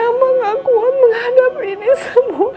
amang akuat menghadapi ini semua